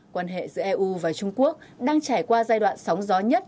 quan hệ giữa eu và trung quốc đang trải qua giai đoạn sóng gió nhất